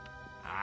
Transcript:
あ。